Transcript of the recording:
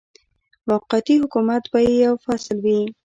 موقتي حکومت به یې یو فصل وي.